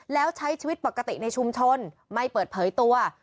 แล้วใช้ชีวิตปกติในชุมชนไม่เปิดเผยตัว